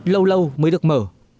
lâu lâu mới được mở